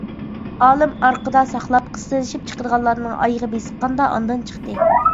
ئالىم ئارقىدا ساقلاپ قىستىلىشىپ چىقىدىغانلارنىڭ ئايىغى بېسىققاندا ئاندىن چىقتى.